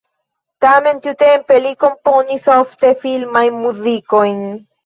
Tamen tiutempe li komponis ofte filmajn muzikojn.